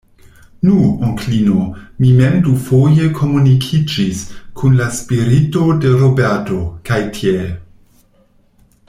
Nu, onklino, mi mem dufoje komunikiĝis kun la spirito de Roberto, kaj tiel.